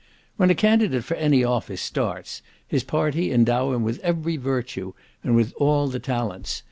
When a candidate for any office starts, his party endow him with every virtue, and with all the talents.